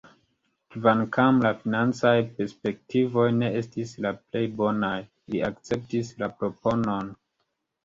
Kvankam la financaj perspektivoj ne estis la plej bonaj, li akceptis la proponon.